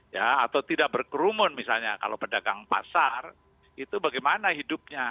ya atau tidak berkerumun misalnya kalau pedagang pasar itu bagaimana hidupnya